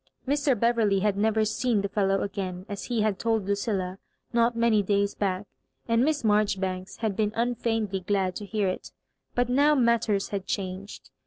Mr. Beverley had never seen the fellow again, as he had told Ludlla not many days back, and Miss Marjoribanks had been unfeignedly glad to hear it; but now matters had changed.